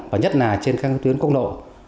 và nhất là trên các tuyến công nộ